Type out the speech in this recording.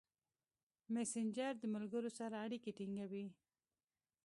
مسېنجر د ملګرو سره اړیکې ټینګوي.